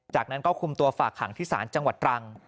จากนั้นก็คุมตัวฝากขังที่ศาลจังหวัดตรัง